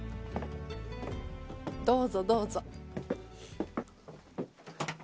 どうぞ、どうぞ。